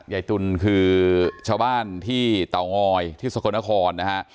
ตุลคือชาวบ้านที่เตางอยที่สกลนครนะฮะ